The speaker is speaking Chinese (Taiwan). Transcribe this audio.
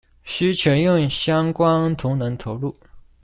需全院相關同仁投入